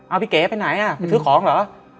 เอาพี่เก๋ไปไหนอ่ะไปซื้อของเหรอ